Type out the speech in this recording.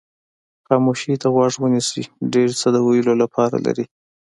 خاموشۍ ته غوږ ونیسئ ډېر څه د ویلو لپاره لري.